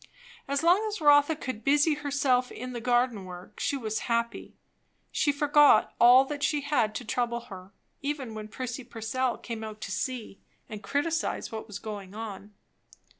And as long as Rotha could busy herself in the garden work, she was happy; she forgot all that she had to trouble her; even when Prissy Purcell came out to see and criticise what was going on.